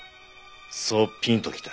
そうピンときた。